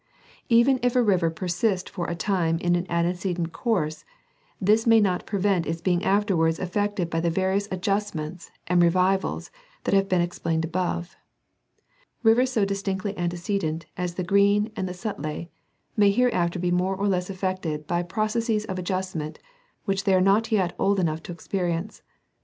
Even if a river per sist for a time in an antecedent course, this may not prevent its being afterwai ds affected by the various adjustments and revi vals that have been explained above : rivers so distinctly ante cedent as the Green and the Sutlej may hereafter be more or less affected by processes of adjustment, which they are not yet old enough to experience.